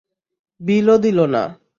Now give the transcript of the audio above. বিলও দিলো না।